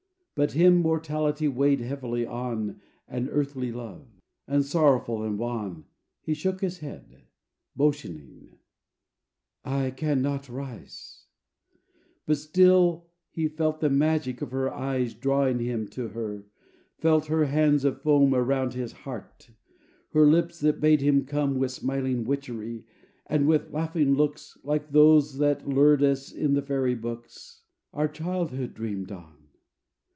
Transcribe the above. But him mortality weighed heavily on And earthly love: and, sorrowful and wan, He shook his head, motioning "I can not rise"; But still he felt the magic of her eyes Drawing him to her; felt her hands of foam Around his heart; her lips, that bade him come With smiling witchery, and with laughing looks Like those that lured us in the fairy books Our childhood dreamed on....